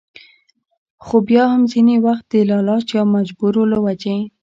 خو بيا هم ځينې وخت د لالچ يا مجبورو له وجې